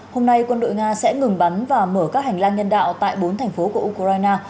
hôm nay quân đội nga sẽ ngừng bắn và mở các hành lang nhân đạo tại bốn thành phố của ukraine